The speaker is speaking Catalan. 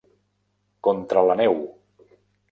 Contra la neu!